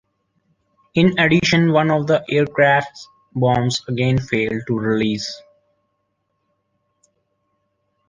In addition, one of the aircraft's bombs again failed to release.